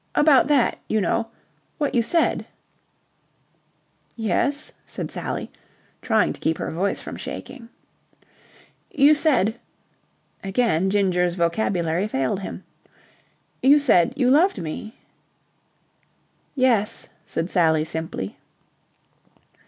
"About that, you know. What you said." "Yes?" said Sally, trying to keep her voice from shaking. "You said..." Again Ginger's vocabulary failed him. "You said you loved me." "Yes," said Sally simply.